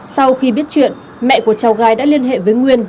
sau khi biết chuyện mẹ của cháu gái đã liên hệ với nguyên